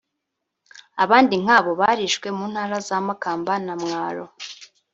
abandi nkabo barishwe mu ntara za Makamba na Mwaro